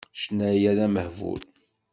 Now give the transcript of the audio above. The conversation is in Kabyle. Ccna-ya d amehbul.